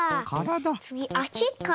つぎあしか。